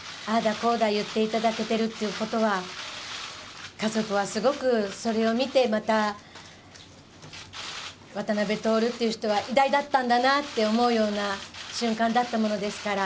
こうだ言っていただけてるということは、家族はすごく、それを見てまた、渡辺徹っていう人は偉大だったんだなって思うような瞬間だったものですから。